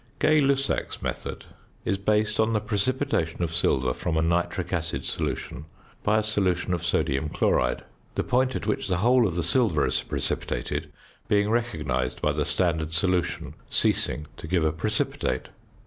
~Gay Lussac's method~ is based on the precipitation of silver from a nitric acid solution by a solution of sodium chloride. The point at which the whole of the silver is precipitated being recognised by the standard solution ceasing to give a precipitate.